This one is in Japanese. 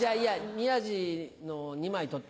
宮治のを２枚取って。